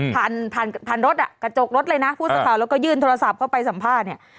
ผ่านผ่านรถอ่ะกระจกรถเลยนะผู้สื่อข่าวแล้วก็ยื่นโทรศัพท์เข้าไปสัมภาษณ์เนี่ย